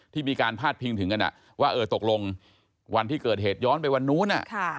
มีการพาดพิงถึงกันว่าเออตกลงวันที่เกิดเหตุย้อนไปวันนู้น